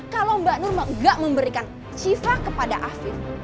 kalau mbak nur gak memberikan siva kepada afif